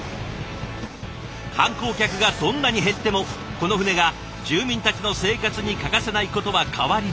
観光客がどんなに減ってもこの船が住民たちの生活に欠かせないことは変わりない。